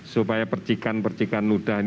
supaya percikan percikan ludah